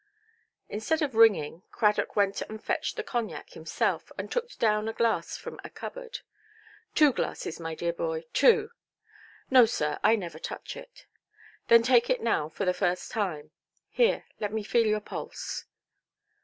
Instead of ringing, Cradock went and fetched the cognac himself, and took down a glass from a cupboard. "Two glasses, my dear boy, two". "No, sir; I never touch it". "Then take it now, for the first time. Here, let me feel your pulse".